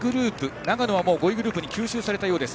長野はもう５位グループに吸収されたようです。